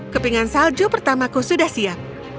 kepingan salju pertamaku sudah siap